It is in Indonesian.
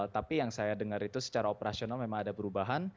tapi yang saya dengar itu secara operasional memang ada perubahan